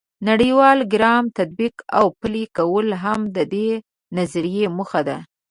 د نړیوال ګرامر تطبیق او پلي کول هم د دې نظریې موخه ده.